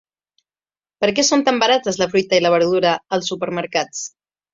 Per què són tan barates la fruita i la verdura als supermercats?